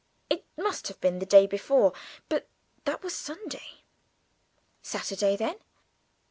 It must have been the day before, but that was Sunday. Saturday, then?